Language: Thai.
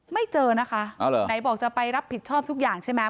ไม่เจอนะคะไหนบอกจะไปรับผิดชอบทุกอย่างใช่ไหม